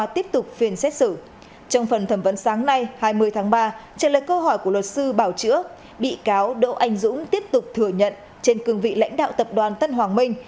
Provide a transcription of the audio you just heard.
trong phần thẩm vấn sáng nay hai mươi tháng ba trả lời câu hỏi của luật sư bảo chữa bị cáo đỗ anh dũng tiếp tục thừa nhận trên cương vị lãnh đạo tập đoàn tân hoàng minh